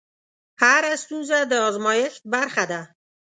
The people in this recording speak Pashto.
هره ستونزه د ازمېښت برخه ده.